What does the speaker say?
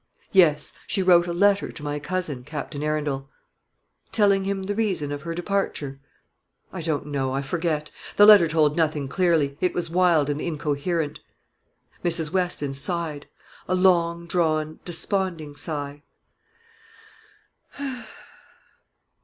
"Yes; she wrote a letter to my cousin, Captain Arundel." "Telling him the reason of her departure?" "I don't know I forget. The letter told nothing clearly; it was wild and incoherent." Mrs. Weston sighed, a long drawn, desponding sigh.